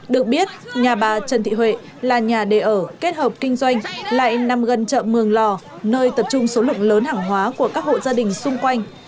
được biết nhà bà trần thị huệ là nhà đề ở kết hợp kinh doanh lại nằm gần chợ mường lò nơi tập trung số lượng lớn hàng hóa của các hộ gia đình xung quanh